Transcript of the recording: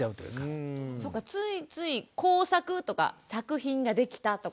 そうかついつい工作とか作品ができたとか。